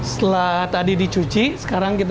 setelah tadi dicuci sekarang kita